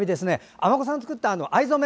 尼子さんが作った藍染め